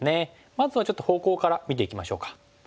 まずはちょっと方向から見ていきましょうか。